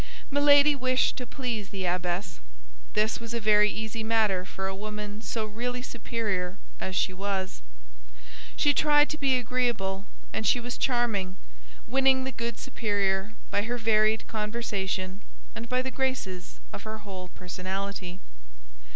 Milady wished to please the abbess. This was a very easy matter for a woman so really superior as she was. She tried to be agreeable, and she was charming, winning the good superior by her varied conversation and by the graces of her whole personality.